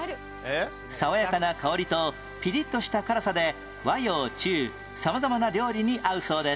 爽やかな香りとピリッとした辛さで和洋中様々な料理に合うそうです